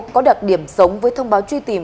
có đặc điểm sống với thông báo truy tìm